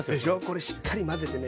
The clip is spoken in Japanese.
これしっかり混ぜてね